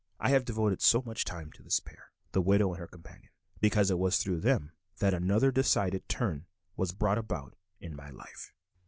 I have devoted so much time to this pair, the "widow" and her companion, because it was through them that another decided turn was brought about in my life.